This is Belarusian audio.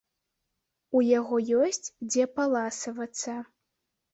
У яго ёсць дзе паласавацца.